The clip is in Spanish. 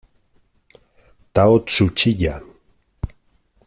Tao Tsuchiya